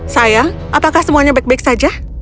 sayang apakah semuanya baik baik saja